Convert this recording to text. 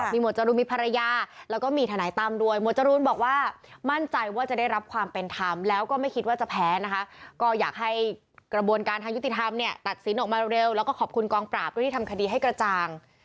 หมวดจรูนมีภรรยาแล้วก็มีทนายตั้มด้วยหมวดจรูนบอกว่ามั่นใจว่าจะได้รับความเป็นธรรมแล้วก็ไม่คิดว่าจะแพ้นะคะก็อยากให้กระบวนการทางยุติธรรมเนี่ยตัดสินออกมาเร็วแล้วก็ขอบคุณกองปราบด้วยที่ทำคดีให้กระจ่าง